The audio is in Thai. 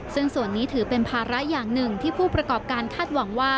ซึ่งส่วนนี้ถือเป็นภาระอย่างหนึ่งที่ผู้ประกอบการคาดหวังว่า